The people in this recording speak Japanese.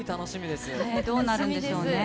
どうなるんでしょうね。